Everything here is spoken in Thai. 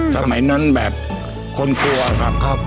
สมัยนั้นแบบคนกลัวครับ